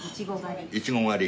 イチゴ狩り。